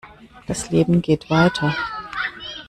Das Leben geht weiter.